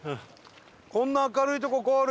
こんな明るいとこゴール！